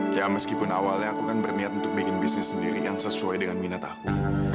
ya meskipun awalnya aku kan berniat untuk bikin bisnis sendiri yang sesuai dengan minat aku